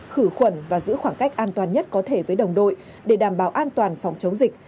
khử khuẩn và giữ khoảng cách an toàn nhất có thể với đồng đội để đảm bảo an toàn phòng chống dịch